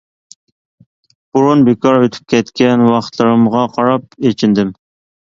بۇرۇن بىكار ئۆتۈپ كەتكەن ۋاقىتلىرىمغا قاراپ ئېچىندىم.